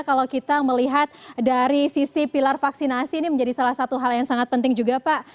kalau kita melihat dari sisi pilar vaksinasi ini menjadi salah satu hal yang sangat penting juga pak